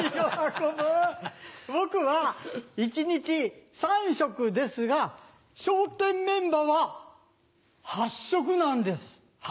僕は一日３食ですが笑点メンバーは８ショクなんです８